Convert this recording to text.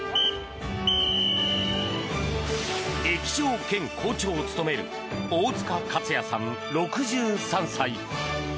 駅長兼、校長を務める大塚克也さん、６３歳。